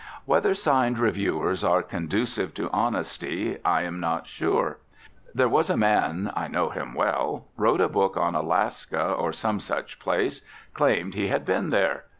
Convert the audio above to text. Whether signed reviewers are conducive to honesty I am not sure. There was a man (I know him well) wrote a book on Alaska or some such place, claimed he had been there.